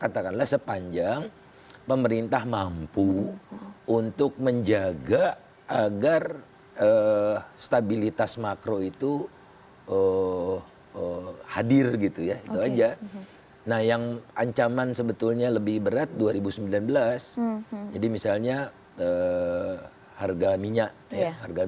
truk mengangkut barang barang